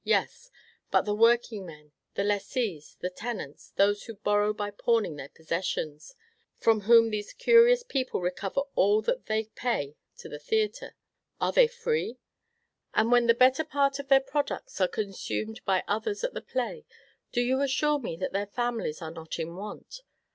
Yes; but the workingmen, the lessees, the tenants, those who borrow by pawning their possessions, from whom these curious people recover all that they pay to the theatre, are they free? And when the better part of their products are consumed by others at the play, do you assure me that their families are not in want?